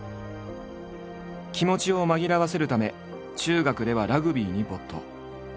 気持ちを紛らわせるため中学ではラグビーに没頭。